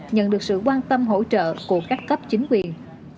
nhận được sự quan tâm hỗ trợ của các cấp chính quyền